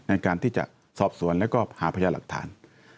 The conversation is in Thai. ในการที่จะสอบสวนแล้วก็หาพยาหลักฐาน